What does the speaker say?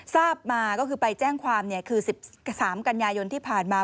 ทราบมาก็คือไปแจ้งความคือ๑๓กันยายนที่ผ่านมา